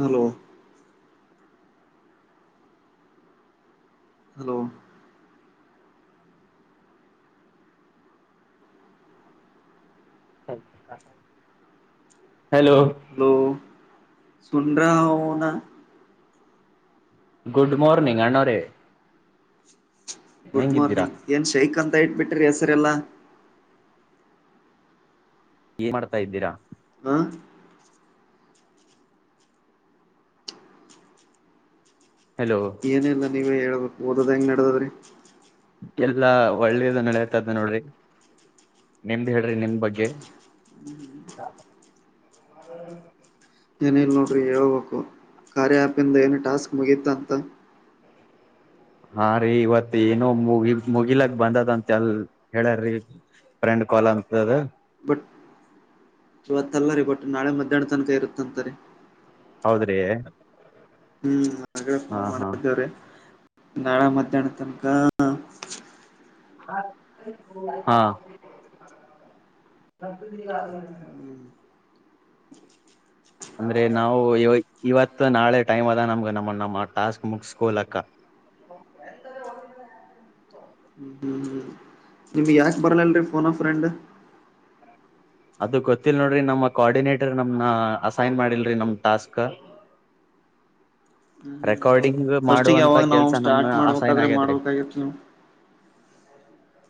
Hello hello hello hello ಸುನ್ರಹುನಾ good morning ಅಣ್ಣೋರೆ. Good ಹೆಂಗಿದ್ದೀರಾ ಮಾರ್ನಿಂಗ್ ಏನ್ ಶೖಕ್ ಅಂತ ಇಟ್ಬಿಟ್ರೀ ಹೆಸ್ರೆಲ್ಲಾ. ಏನ್ ಮಾಡ್ತಾ ಇದ್ದೀರಾ. ಹಾ ಹಲೋ ಏನ ಇಲ್ಲ ನೀವೇ ಹೇಳಬೇಕು ಓದದ ಹೆಂಗೆ ನಡ್ದದ್ರೀ. ಎಲ್ಲಾ ಒಳ್ಳೇದು ನಡೆತದ ನೋಡ್ರಿ ನಿಮ್ದ್ ಹೇಳ್ರಿ ನಿಮ್ ಬಗ್ಗೆ. ಏನ ಇಲ್ ನೋಡ್ರಿ ಹೇಳ್ಬೇಕು ಕಾರ್ಯ ಆ್ಯಪಿಂದ ಏನು ಟಾಸ್ಕ್ ಮುಗೀತಂತ. ಹಾ ರೀ ಇವತ್ ಏನು ಮುಗಿ ಮುಗಿಲಕ್ ಬಂದದಂತೆಲ್ ಹೇಳ್ಯರಿ. ರೆಂಡ್ ಕ್ವಲಂತದ. ಬಟ್ ಇವತ್ತಲ್ಲ ರೀ ಬಟ್ ನಾಳೆ ಮಧ್ಯಾಹ್ನ ತನಕ ಇರುತ್ತ ಅಂತರಿ. ಹೌದ್ರಿ ಹ್ಮ್ ಮಡೆ ಹಾ ಫೋನ್ ಹಾ ಮಾಡಿದ್ದೇವ್ರೆ ನಾಳೆ ಮಧ್ಯಾಹ್ನ ತನಕಾ. ಹಾ [unintelligible] ಹ್ಮ್ [inaudible] ಅಂದ್ರೆ ನಾವು ಇವೊಯಿ ಇವತ್ತ ನಾಳೆ ಟೈಮ್ ಅದ ನಮ್ಗ ನಮ್ಮ ನಮ್ಮ ಟಾಸ್ಕ್ ಮುಗ್ಸೊಲಕ್ಕ. ನಿಮ್ಗ್ ಯಾಕ್ ಬರಲ್ಲಲ್ರಿ ಪೋನ ಫ್ರೆಂಡ್. ಅದು ಗೊತ್ತಿಲ್ಲ್ ನೋಡ್ರಿ ನಮ್ಮ್ ಕ್ವರ್ಡಿನೇಟರ್ ನಮ್ನ ಅಸೈನ್ ಮಾಡಿಲ್ರಿ ನಮ ಟಾಸ್ಕ. ಹ್ಮ್ ಹ್ಮ್ ರೆಕ್ವರ್ಡಿಂಗ್ ಫಸ್ಟಿಗೆ ಮಾಡುವಂತ ಯಾವಾಗ ನಾವು ಕೆಲ್ಸ ನಮ್ನ ಸ್ಟಾರ್ಟ್ ಅಸೖನ್ ಮಾಡ್ಬೇಕಾದ್ರೆ ಆಗ್ಯದ್ರಿ. ಮಾಡ್ಬೇಕಾಗಿತ್ತು ನೀವು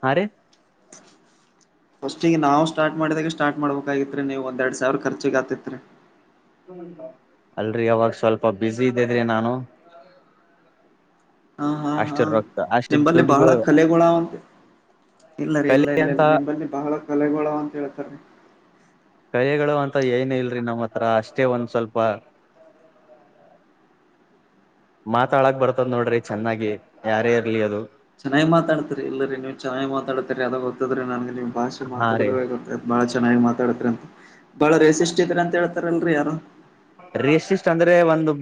ಹಾ ರಿ. ಫಸ್ಟಿಗಿ ನಾವು ಸ್ಟಾರ್ಟ್ ಮಾಡಿದೆಗೆ ಸ್ಟಾರ್ಟ್ ಮಾಡ್ಬಕಾಗಿತ್ರಿ ನೀವು ಒಂದ್ ಎರ್ಡ್ ಸಾವಿರ ಕರ್ಚಿಗ್ ಆತಿತ್ರಿ. ಅಲ್ರಿ ಅವಾಗ ಸ್ವಲ್ಪ ಬೀಜಿ ಇದ್ದಿದ್ರಿ ನಾನು. ಹಾ ಹಾ ಅಷ್ಟು ಹಾ ರೊಕ್ಕ ಅಷ್ಟು ನಿಂಬಲ್ಲಿ ದುಡ್ಡುಗೂ ಬಹಳ ಕಲೆಗೋಳ ಅವಂತೆ. ಇಲ್ಲರಿ ಇಲ್ಲ ಕಲಿ ಇಲ್ಲ ಅಂತ ಇಲ್ಲ ನಿಂಬಲ್ಲಿ ಬಹಳ ಕಲೆಗೋಳ ಆವಂತ ಹೇಳ್ತಾರಿ. ಕೖಯೆಗಳು ಅಂತ ಏನು ಇಲ್ರಿ ನಮ್ಮ ಹತ್ರ ಅಷ್ಟೇ ಒಂದ್ ಸ್ವಲ್ಪಾ. ಮಾತಾಡಕ್ ಬರ್ತದ್ ನೋಡ್ರಿ ಚೆನ್ನಾಗಿ ಯಾರೇ ಇರ್ಲಿ ಅದು. ಚೆನ್ನಾಗಿ ಮಾತಾಡ್ತಾರಿ ಇಲ್ಲರಿ ನೀವು ಚೆನ್ನಾಗಿ ಮಾತಾಡ್ತರಿ ಅದ ಗೊತ್ತದ್ರೀ ನನ್ಗ ನಿಮ್ ಭಾಷೆ ಹಾ ರೀ ಮಾತಾಡದ್ರಗ ಗೊತ್ತ ಬಾಳ ಚೆನ್ನಾಗಿ ಮಾತಾಡ್ತರಿ ಅಂತ ಬಾಳ ರೇಸಿಸ್ಟ್ ಇದಿರಂತ ಹೇಳ್ತಾರಲ್ರಿ ಯಾರೊ. ರೇಸಿಸ್ಟ್ ಅಂದ್ರೆ ಒಂದು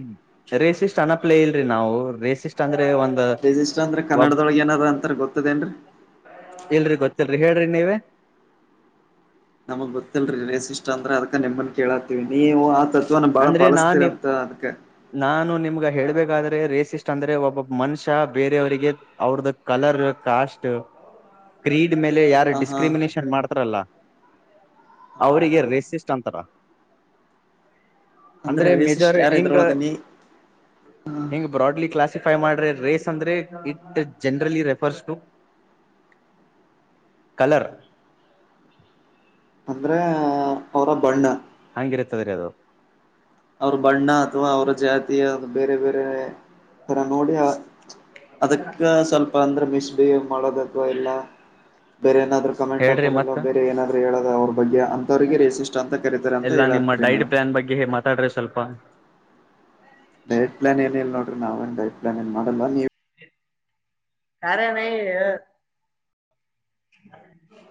ರೇಸಿಸ್ಟ್ ಅನಪ್ಲೇ ಇಲ್ರಿ ನಾವು ರೇಸಿಸ್ಟ್ ಅಂದ್ರೆ ಒನ್ ರಿಜಿಸ್ಟರಂದ್ರ ಕನ್ನಡದೊಳಗ್ ಏನದ ಅಂತಾರ ಗೊತ್ತದೇನ್ರಿ. ಇಲ್ರಿ ಗೊತ್ತಿಲ್ರಿ ಹೇಳ್ರಿ ನೀವೆ. ನಮಗ್ ಗೊತ್ತಿಲ್ರಿ ರೇಸಿಸ್ಟ್ ಅಂದ್ರ ಅದ್ಕ ನಿಮ್ಮನ್ ಕೇಳಾತ್ತಿವಿ ನೀವು ಆತ ಅಂದ್ರೆ ನಾನ ನಿಮ್. ನಾನು ನಿಮ್ಗ ಹೇಳ್ಬೇಕಾದ್ರೆ ರೇಸಿಸ್ಟ್ ಅಂದ್ರೆ ಒಬ್ಬೊಬ್ ಮನುಷ್ಯ ಬೇರೆಯವರಿಗೆ. ಅವ್ರುದ ಕಲ್ಲರ್ ಕಾಸ್ಟ್. ಕ್ರೀಡಿಮೇಲೆ ಯಾರ್ ಹ ಹಾ ಡಿಸ್ಕ್ರಿಮಿನೇಷನ್ ಮಾಡ್ತಾರಲ್ಲ ಹ ಅವ್ರಿಗೆ ಹಾ ರೇಸಿಸ್ಟ್ ಅಂತಾರ. ಅಂದ್ರೆ ರೇಸಿಷ್ಟ್ ಮೇಜರ್ ಯಾರ ಹಿಂಗ್ ಇದ್ರೊಳಗ ನೀ. ಹಿಂಗ್ ಬ್ರಾಡ್ಲಿ ಕ್ಲಾಸಿಫೈ ಮಾಡ್ರೆ ರೇಸ್ ಅಂದ್ರೆ it generally refers to. [inaudible] Colour. ಅಂದ್ರೆ ಅವರ ಬಣ್ಣಾ. ಹಂಗಿರ್ತದರಿ ಅದು. ಅವ್ರ ಬಣ್ಣಾ ಅಥವಾ ಅವರ ಜಾತಿಯ ಬೇರೆ ಬೇರೇ. ತರ ನೋಡಿ ಅದಕ್ಕ ಸ್ವಲ್ಪ ಅಂದ್ರೆ ಮಿಶ್ ಏನ ಮಾಡೋದವಾ ಇಲ್ಲ ಬೇರೆ ಏನಾದ್ರೂ ಕಮೆಂಟ್ ಹೇಳ್ರಿ ಹಾಕೋದಿಲ್ಲ ಮತ್ತ ಬೇರೆ ಏನಾದರು ಹೇಳದ ಅವ್ರ ಬಗ್ಗೆ ಅಂತವ್ರಿಗೆ ರೇಸಿಟ್ ಅಂತ ಕರಿತಾರೆ ಅಂತ ಹೇಳತ್ರಿ ನೀವು ನಮ್ಮ ಬಗ್ಗೆ ಮಾತಾಡ್ರಿ ಸ್ವಲ್ಪ ಡಯಟ ಪ್ಲಾನ್ ಏನಿಲ್ಲ ನೋಡ್ರಿ ನಾವ ಡಯಟ್ ಪ್ಲಾನ್ ಏನು ಮಾಡಲ್ಲ ನೀವು ಕಾರ್ಯ ಹ